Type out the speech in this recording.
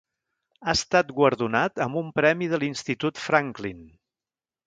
Ha estat guardonat amb un premi de l'Institut Franklin.